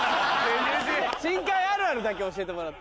深海あるあるだけ教えてもらって？